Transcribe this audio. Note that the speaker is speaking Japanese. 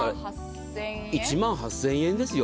１万８０００円ですよ。